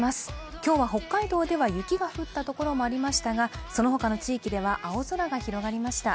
今日は北海道では雪が降ったところもありましたが、その他の地域では青空が広がりました。